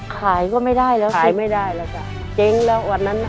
ขายก็ไม่ได้แล้วขายไม่ได้แล้วจ้ะเจ๊งแล้ววันนั้นน่ะ